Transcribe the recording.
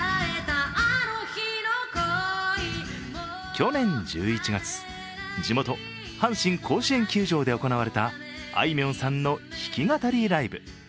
去年１１月、地元・阪神甲子園球場で行われたあいみょんさんの弾き語りライブ。